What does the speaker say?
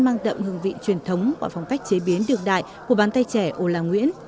mang tậm hương vị truyền thống và phong cách chế biến được đại của bán tay trẻ ola nguyễn